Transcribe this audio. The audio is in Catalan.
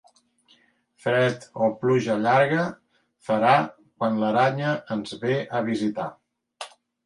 Fred o pluja llarga farà quan l'aranya ens ve a visitar.